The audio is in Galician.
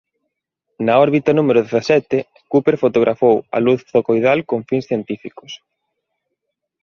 Na órbita número dezasete Cooper fotografou a luz zodiacal con fins científicos.